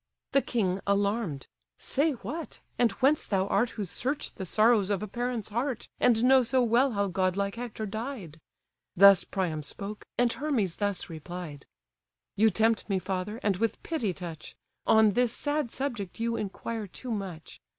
The king, alarm'd: "Say what, and whence thou art Who search the sorrows of a parent's heart, And know so well how godlike Hector died?" Thus Priam spoke, and Hermes thus replied: "You tempt me, father, and with pity touch: On this sad subject you inquire too much.